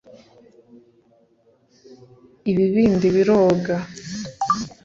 Ibibindi biroga